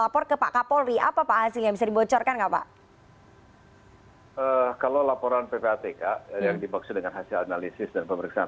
figur ini dengan